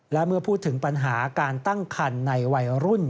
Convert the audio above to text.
และเมื่อพูดถึงปัญหาการตั้งคันในวัยรุ่น